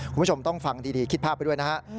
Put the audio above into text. คุณผู้ชมต้องฟังดีคิดภาพไปด้วยนะฮะ